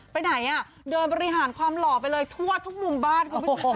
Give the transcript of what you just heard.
ไปไหนอ่ะเดินบริหารความหล่อไปเลยทั่วทุกมุมบ้านคุณผู้ชม